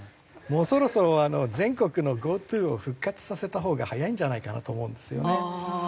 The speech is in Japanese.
もうそろそろ全国のＧｏＴｏを復活させたほうが早いんじゃないかなと思うんですよね。